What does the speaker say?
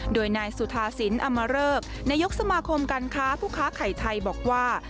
โดยนายสุธาสินอมเริกนายกสมาคมการค้าผู้ค้าไข่ไทยบอกว่า